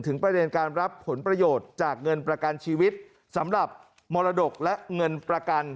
ประเด็นการรับผลประโยชน์จากเงินประกันชีวิตสำหรับมรดกและเงินประกัน